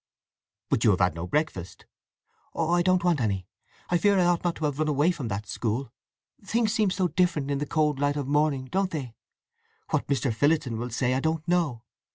"But you have had no breakfast." "Oh, I don't want any! I fear I ought not to have run away from that school! Things seem so different in the cold light of morning, don't they? What Mr. Phillotson will say I don't know!